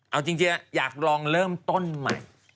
เอาจริงอยากลองเริ่มต้นใหม่